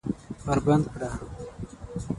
ور بند کړه!